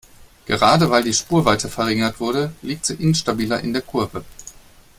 Gerade weil die Spurweite verringert wurde, liegt sie instabiler in der Kurve.